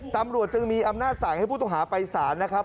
ตำรวจจึงมีอำนาจสั่งให้ผู้ต้องหาไปสารนะครับ